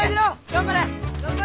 頑張れ！